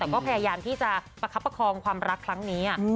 แต่ก็พยายามที่จะประคับประคองความรักครั้งนี้